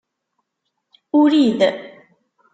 Urid